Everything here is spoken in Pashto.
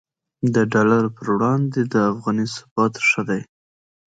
د ډالر پر وړاندې د افغانۍ ثبات ښه دی